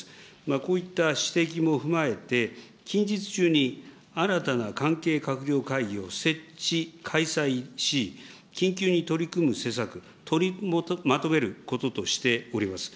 こういった指摘も踏まえて、近日中に新たな関係閣僚会議を設置、開催し、緊急に取り組む施策、取りまとめることとしております。